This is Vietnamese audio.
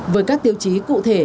với các tiêu chí cụ thể